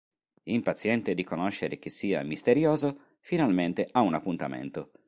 Impaziente di conoscere chi sia "misterioso", finalmente ha un appuntamento.